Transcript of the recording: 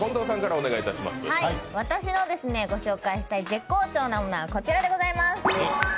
私のご紹介したい絶好調なものはこちらでございます。